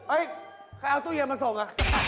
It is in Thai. เอ๊ะใครเอาตู้เย็นมาส่ง